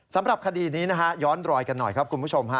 สำหรับคดีนี้นะฮะย้อนรอยกันหน่อยครับคุณผู้ชมฮะ